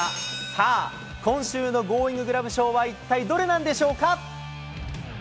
さあ、今週のゴーインググラブ賞は一体どれなんでしょうか。